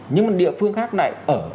nhưng mà địa phương khác lại ở